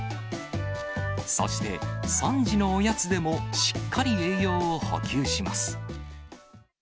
そして、３時のおやつでもしっかり栄養を補給します。